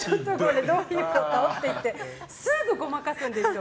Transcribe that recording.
どういうことって言ってすぐごまかすんですよ